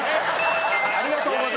ありがとうございます。